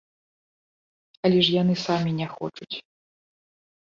Але ж яны самі не хочуць.